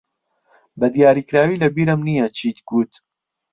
بەدیاریکراوی لەبیرم نییە چیت گوت.